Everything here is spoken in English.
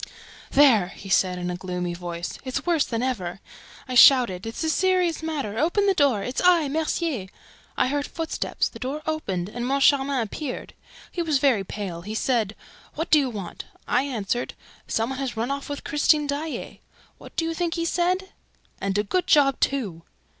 "There!" he said, in a gloomy voice. "It's worse than ever! ... I shouted, 'It's a serious matter! Open the door! It's I, Mercier.' I heard footsteps. The door opened and Moncharmin appeared. He was very pale. He said, 'What do you want?' I answered, 'Some one has run away with Christine Daae.' What do you think he said? 'And a good job, too!'